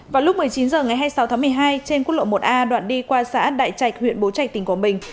vào lúc một mươi chín h ngày hai mươi sáu tháng một mươi hai trên quốc lộ một a đoạn đi qua xã đại trạch huyện bố trạch tỉnh quảng bình